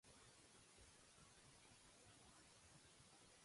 Their children were born later.